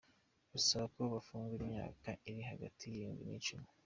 Busaba ko bopfungwa imyaka iri hagati y'indwi n'icumi.